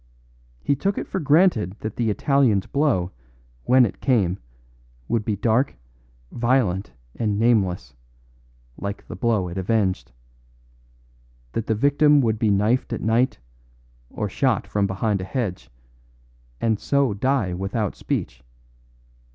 He took it for granted that the Italian's blow, when it came, would be dark, violent and nameless, like the blow it avenged; that the victim would be knifed at night, or shot from behind a hedge, and so die without speech.